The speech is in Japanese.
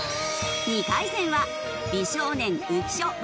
２回戦は美少年浮所